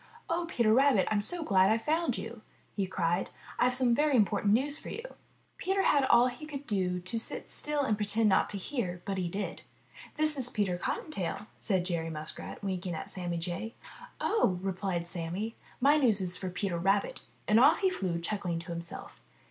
*'0h, Peter Rabbit, I'm so glad I've found you!" he cried. "I've some very important news for you!" Peter had all he could do to sit still and pretend not to hear, but he did. "This is Peter Cottontail," said Jerry Muskrat, winking at Sammy Jay. "Oh," replied Sammy, "my news is for Peter Rabbit!" and off he flew, chuckling to himself.